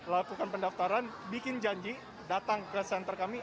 lakukan pendaftaran bikin janji datang ke center kami